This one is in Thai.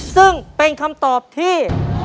ซึ่งเป็นคำตอบที่